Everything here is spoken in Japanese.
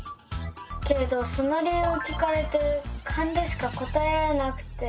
けれどその理由を聞かれてカンでしか答えられなくて。